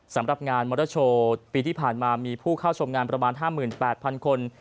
สำหรับงานมอเตอร์โชว์ปีที่ผ่านมามีผู้เข้าชมงานประมาณ๕๘๐๐๐คน